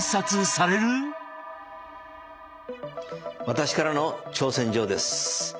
私からの挑戦状です。